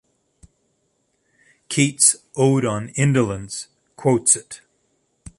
Keats' "Ode on Indolence" quotes it.